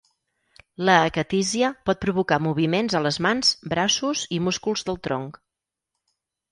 La acatísia pot provocar moviments a les mans, braços i músculs del tronc.